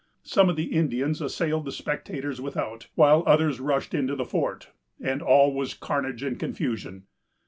Some of the Indians assailed the spectators without, while others rushed into the fort, and all was carnage and confusion.